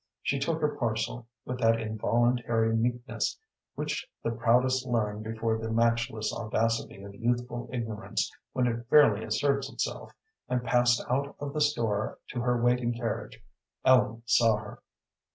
She took her parcel with that involuntary meekness which the proudest learn before the matchless audacity of youthful ignorance when it fairly asserts itself, and passed out of the store to her waiting carriage. Ellen saw her.